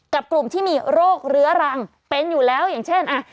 กับกลุ่มที่มีโรคเรื้อรังเป็นอยู่แล้วอย่างเช่นอ่ะ